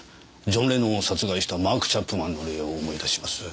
ジョン・レノンを殺害したマーク・チャップマンの例を思い出します。